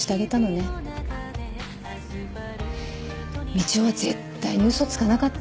みちおは絶対に嘘つかなかった。